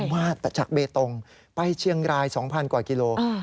มาจากเบตงไปเชียงราย๒๐๐กว่ากิโล